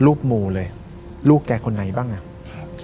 รูปหมู่เลยรูปแกคนไหนบ้างอ่ะใช่